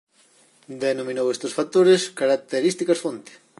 Denominou estes factores "características fonte".